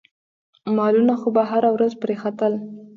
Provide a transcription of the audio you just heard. مالونه خو به هره ورځ پرې ختل.